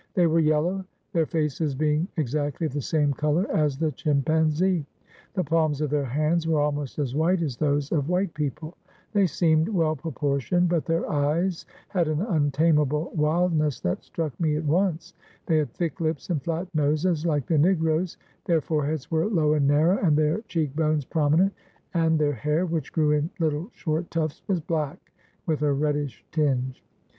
They were yellow, their faces being ex actly of the same color as the chimpanzee; the palms of their hands were almost as white as those of white people; they seemed well proportioned, but their eyes had an untamable wildness that struck me at once; they had thick lips and flat noses, like the Negroes; their foreheads were low and narrow, and their cheek bones prominent; and their hair, which grew in Httle, short tufts, was black, with a reddish tinge.